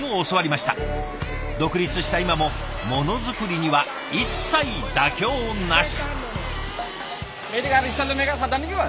独立した今もものづくりには一切妥協なし。